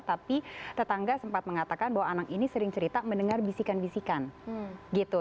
tapi tetangga sempat mengatakan bahwa anak ini sering cerita mendengar bisikan bisikan gitu